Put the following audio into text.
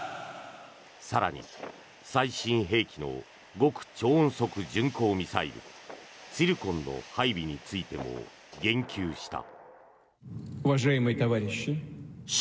更に、最新兵器の極超音速巡航ミサイルツィルコンの配備についても言及した。